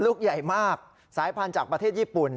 ลูกใหญ่มากสายพันธุ์จากประเทศญี่ปุ่น